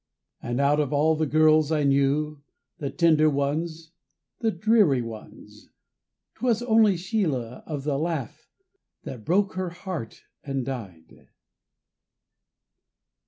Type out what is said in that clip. _And out of all the girls I knew the tender ones the dreary ones, _ _'Twas only Sheila of the laugh that broke her heart and died.